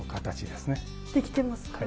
できてますか？